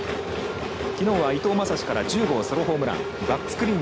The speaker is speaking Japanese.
きのうは伊藤将司から１０号ソロホームラン。